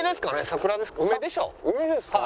桜ですか？